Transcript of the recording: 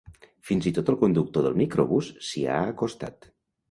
Fins i tot el conductor del microbús s'hi ha acostat.